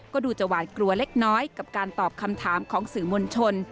ก็ดูจะหวาดกลัวเล็กน้อยกับการตอบคำถามของสื่อมวลชน